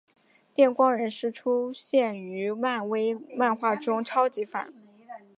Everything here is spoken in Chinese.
电光人是出现于漫威漫画中超级反派。